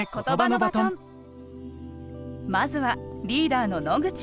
まずはリーダーの野口。